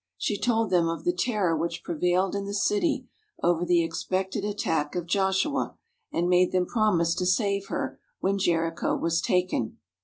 She told them of the terror which prevailed in the city over the expected attack of Joshua, and made them promise to save her when Jericho was taken.